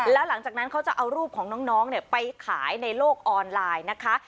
แล้วหลังจากนั้นเขาจะเอารูปของน้องไปขายในโลกออนไลน์นะคะ